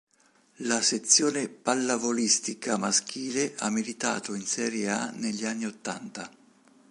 La sezione pallavolistica maschile ha militato in Serie A negli anni ottanta.